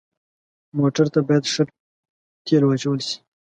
موټر ته باید ښه تیلو واچول شي.